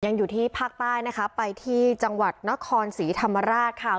อยู่ที่ภาคใต้นะคะไปที่จังหวัดนครศรีธรรมราชค่ะ